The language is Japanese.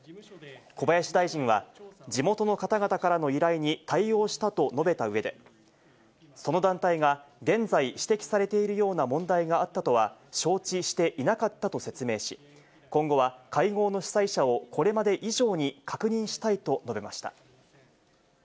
小林大臣は、地元の方々からの依頼に対応したと述べたうえで、その団体が現在、指摘されているような問題があったとは承知していなかったと説明し、今後は、会合の主催者をこれまで以上に確認したいと述べました。